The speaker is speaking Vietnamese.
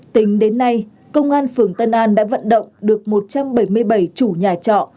tính đến nay công an phường tân an đã vận động được một trăm bảy mươi bảy chủ nhà trọ